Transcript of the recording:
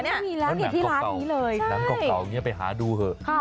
ไม่มีแล้วอยู่ที่ร้านนี้เลยใช่น้ำกอกเตานี่ไปหาดูเถอะ